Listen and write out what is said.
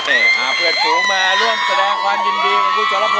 เอาเพื่อนผู้มาร่วมแสดงความยินดีของคุณโจรพงศ์นะ